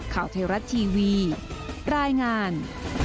ข่าวไทยรัฐทีวีรายงาน